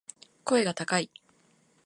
声が高い